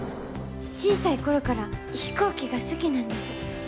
小さい頃から飛行機が好きなんです。